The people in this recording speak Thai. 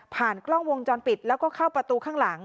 กล้องวงจรปิดแล้วก็เข้าประตูข้างหลัง